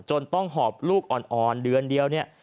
จนต้องหอบลูกอ่อนเดือนเดียวเนี่ย